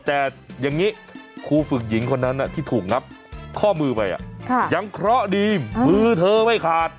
แต่อย่างนี้ครูฝึกหญิงคนนั้นที่ถูกงับข้อมือไปยังเคราะห์ดีมือเธอไม่ขาด